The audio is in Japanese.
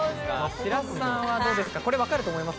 白洲さん、どうですか？